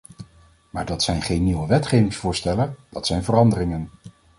Maar dat zijn geen nieuwe wetgevingsvoorstellen, dat zijn veranderingen.